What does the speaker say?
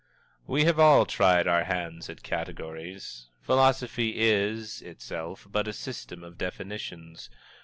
We have all tried our hands at categories. Philosophy is, itself, but a system of definitions.